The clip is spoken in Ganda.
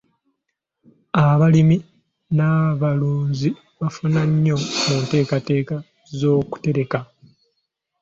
Abalimi n'abalunzi bafuna nnyo mu nteekateeka z'okutereka